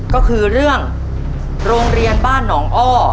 ก็คือเรื่องโรงเรียนบ้านหนองอ้อ